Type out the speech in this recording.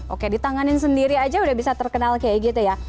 oke ditanganin sendiri aja udah bisa terkenal kayak gitu ya